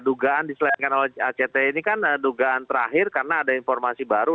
dugaan diselengkan oleh act ini kan dugaan terakhir karena ada informasi baru